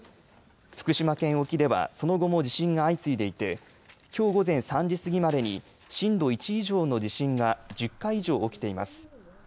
福島県沖では、その後も地震が相次いでいてきょう午前３時過ぎまでに震度１以上の地震が１０回以上起きています。